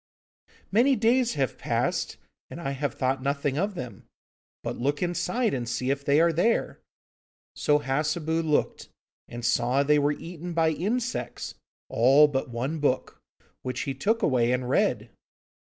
'Many days have passed, and I have thought nothing of them. But look inside and see if they are there.' So Hassebu looked, and saw they were eaten by insects, all but one book, which he took away and read.